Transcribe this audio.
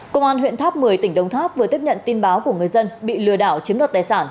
công an huyện tháp một mươi tỉnh đồng tháp vừa tiếp nhận tin báo của người dân bị lừa đảo chiếm đoạt tài sản